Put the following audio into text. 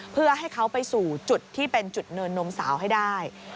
เพื่อให้เขาไปสู่จุดที่เป็นจุดเนินนมสาวให้ได้